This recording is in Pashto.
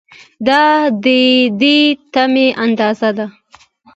دا د دې تمې اندازه ده.